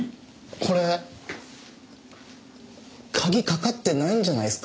これ鍵かかってないんじゃないっすか？